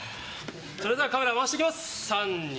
それではカメラ回していきます！